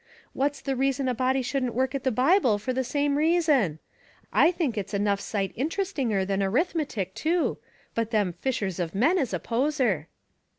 What's the reason a body shouldn't work at the Bible for the same reason ? I think it's enough sight interestinger than arithmetic, too — byt them ' fishers of men ' is a poser."